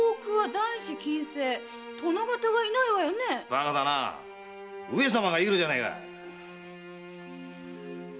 バカだな上様がいるじゃねえか。